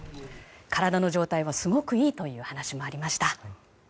体の状態はすごくいいという話もありました。